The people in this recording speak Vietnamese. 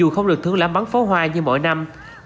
là một thướng lãm bắn phó hoa như mỗi năm